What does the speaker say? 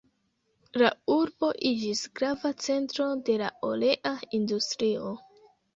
La urbo iĝis grava centro de la olea industrio.